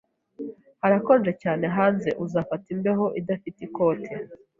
Harakonje cyane hanze. Uzafata imbeho idafite ikote.